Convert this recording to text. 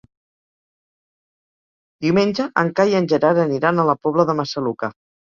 Diumenge en Cai i en Gerard aniran a la Pobla de Massaluca.